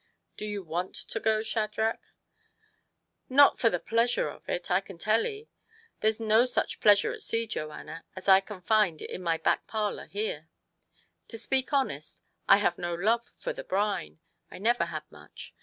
" Do you want to go, Shadrach ?"" Not for the pleasure of it, I can tell 'ee. There's no such pleasure at sea, Joanna, as I can find in my back parlour here. To speak honest, I have no love for the brine. I never had much.